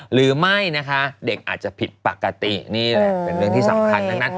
หรือไม่นะคะเด็กอาจจะผิดปกตินี่แหละเป็นเรื่องที่สำคัญทั้งนั้น